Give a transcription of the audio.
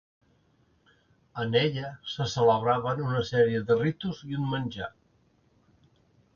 En ella, se celebraven una sèrie de ritus i un menjar.